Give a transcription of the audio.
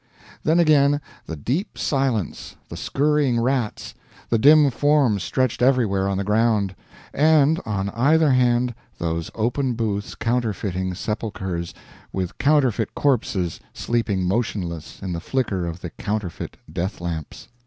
Then again the deep silence, the skurrying rats, the dim forms stretched everywhere on the ground; and on either hand those open booths counterfeiting sepulchres, with counterfeit corpses sleeping motionless in the flicker of the counterfeit death lamps.